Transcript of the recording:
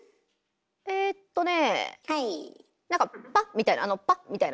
何かパッみたいなあのパッみたいな。